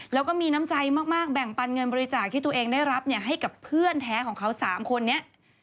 แล้วก็มีน้ำใจมากแบ่งปันเงินบริจาคที่ตัวเองได้รับให้กับเพื่อนแท้ของเขา๓คนนี้